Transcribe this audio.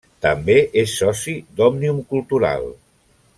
També és soci d'Òmnium Cultural.